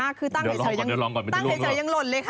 คือสงสัยมากตั้งไอ้ชัยยังหล่นเลยค่ะ